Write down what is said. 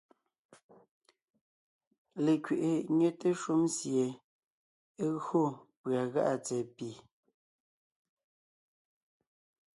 Lekẅiʼi nyɛte shúm sie é gÿo pʉ̀a gá’a tsɛ̀ɛ pì,